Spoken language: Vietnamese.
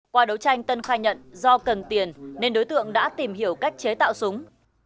qua đấu tranh tân khai nhận do cần tiền nên đối tượng đã tìm hiểu cách chế tạo súng